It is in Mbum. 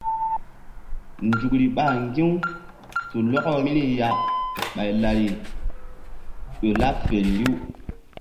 Nzukri ɓa ŋgi̧-u tu lɔkɔ vbiri ya ɓay lari ƴo laɓ feri riw.